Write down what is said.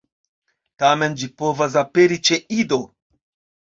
Tamen ĝi povas aperi ĉe ido.